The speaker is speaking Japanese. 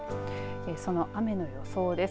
その雨の予想です